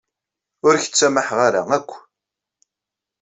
Ur ak-ttsamaḥeɣ ara akk.